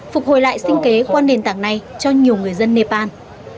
phục hồi lại sinh kế qua nền tảng này cho nhiều người dân nepal